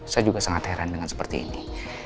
saya juga sangat heran dengan seperti ini